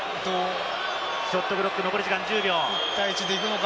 ショットクロック、残り１０秒。